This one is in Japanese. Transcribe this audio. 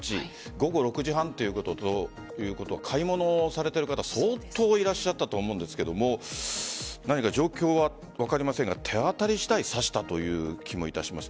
午後６時半ということは買い物されてる方相当いらっしゃったと思うんですが状況は分かりませんが手当たり次第刺したという気もいたします。